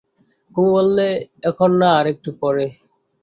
কুমু বললে, এখন না, আর একটু পরে।